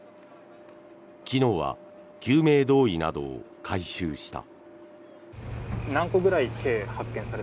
昨日は救命胴衣などを回収した。